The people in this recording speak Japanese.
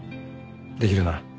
できるな？